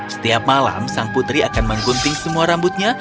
setiap malam sang putri akan menggunting semua rambutnya